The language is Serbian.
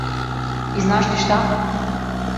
И знаш ли шта?